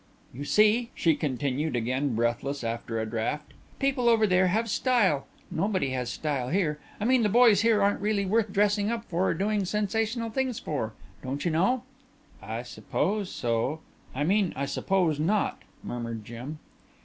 "You see," she continued, again breathless after a draught. "People over there have style. Nobody has style here. I mean the boys here aren't really worth dressing up for or doing sensational things for. Don't you know?" "I suppose so I mean I suppose not," murmured Jim.